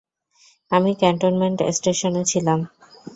আমি ক্যান্টনমেন্ট স্টেশনে ছিলাম।